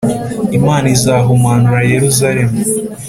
Imana izahumanura Yeruzalemu